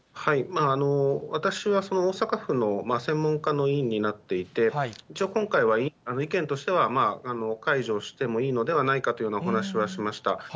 私は大阪府の専門家の委員になっていて、一応今回は意見としては解除してもいいのではないかというようなお話はしました。